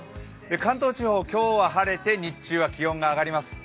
関東地方、今日は晴れて日中は気温が上がります。